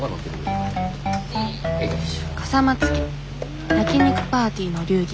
笠松家焼き肉パーティーの流儀